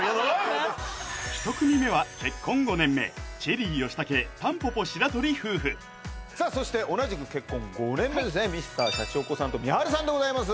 １組目はさあそして同じく結婚５年目ですねＭｒ．シャチホコさんとみはるさんでございます